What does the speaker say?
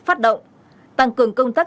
phát động tăng cường công tác